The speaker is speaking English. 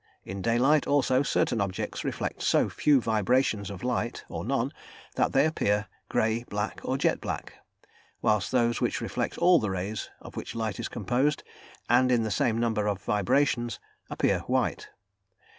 In daylight, also, certain objects reflect so few vibrations of light, or none, that they appear grey, black, or jet black; whilst those which reflect all the rays of which light is composed, and in the same number of vibrations, appear white.